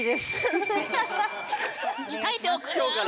鍛えておくぬん。